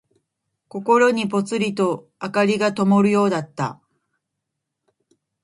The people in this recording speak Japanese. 心にぽつりと灯がともるようだった。